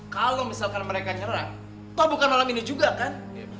kalau misalkan mereka nyerang toh bukan malam ini juga kan